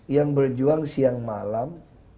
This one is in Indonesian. yang berjuang siang malam